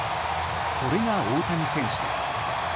それが大谷選手です。